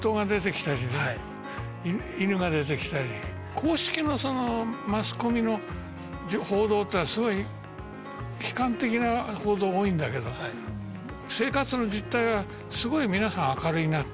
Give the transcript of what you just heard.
公式のマスコミの報道ってのはすごい悲観的な報道が多いんだけど生活の実態はすごい皆さん明るいなって。